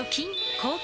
抗菌！